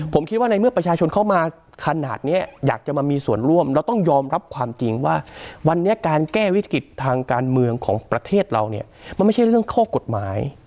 ผมคิดว่าในเมื่อประชาชนเข้ามาขนาดนี้อยากจะมามีส่วนร่วมเราต้องยอมรับความจริงว่าวันนี้การแก้วิกฤติทางการเมืองของประเทศเราเนี่ยมันไม่ใช่เรื่องข้อกฎหมาย